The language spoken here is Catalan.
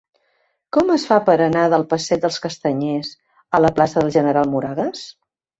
Com es fa per anar del passeig dels Castanyers a la plaça del General Moragues?